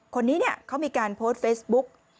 คนนี้เขามีการโพสต์เฟซบุ๊ก